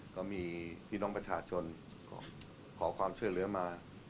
ก็มีพี่น้องประชาชนขอความช่วยเหลือมา